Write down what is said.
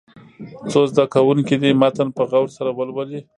څو زده کوونکي دې متن په غور سره ولولي.